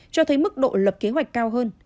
cho thấy mức độ lập kế hoạch cao hơn